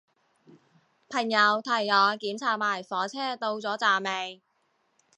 朋友提我檢查埋火車到咗站未